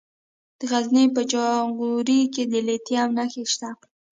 د غزني په جاغوري کې د لیتیم نښې شته.